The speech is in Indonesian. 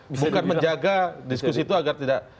bukan menjaga diskusi itu agar tidak